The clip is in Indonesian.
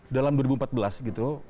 dalam dua ribu empat belas gitu